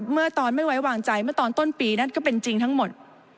เมื่อตอนไม่ไว้วางใจเมื่อตอนต้นปีนั่นก็เป็นจริงทั้งหมด